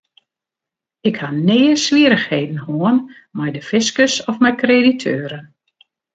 Ik ha nea swierrichheden hân mei de fiskus of mei krediteuren.